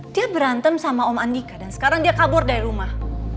dia berantem sama om andika dan sekarang dia kabur dari rumah